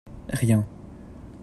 Rien.